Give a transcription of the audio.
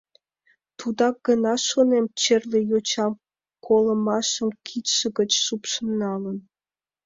Тудак гына, шонем, черле йочам колымашын кидше гыч шупшын налын.